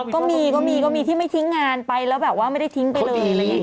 ก็มีที่ไม่ทิ้งงานไปแล้วแบบว่าไม่ได้ทิ้งไปเลย